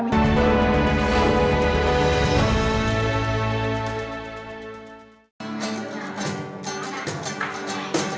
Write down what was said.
terima kasih mama hana